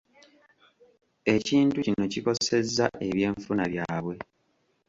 Ekintu kino kikosezza ebyenfuna byabwe.